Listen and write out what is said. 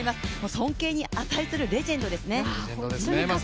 尊敬に値するレジェンドですね。